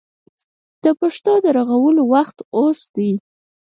د پښتو د ژغورلو وخت اوس دی.